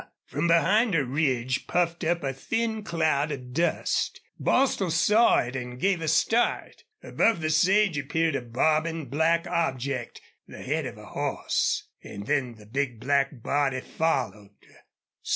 From behind a ridge puffed up a thin cloud of dust. Bostil saw it and gave a start. Above the sage appeared a bobbing, black object the head of a horse. Then the big black body followed.